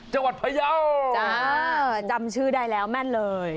จังหวัดพยาวจ้าจำชื่อได้แล้วแม่นเลย